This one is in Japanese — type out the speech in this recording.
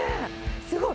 すごい！